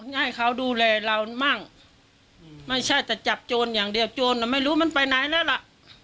ให้เขาดูแลเรามั่งไม่ใช่แต่จับโจรอย่างเดียวโจรไม่รู้มันไปไหนแล้วล่ะ